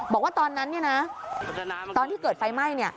บอกว่าตอนนั้นตอนที่เกิดไฟไหม้